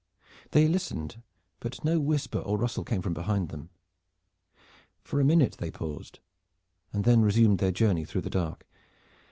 They listened, but no whisper or rustle came from behind them. For a minute they paused and then resumed their journey through the dark.